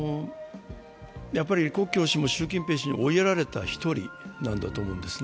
李克強氏も習近平氏も追いやられた１人なんだと思います。